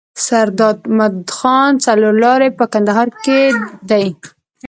سرداد مدخان څلور لاری په کندهار ښار کي دی.